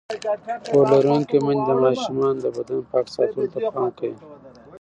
پوهه لرونکې میندې د ماشومانو د بدن پاک ساتلو ته پام کوي.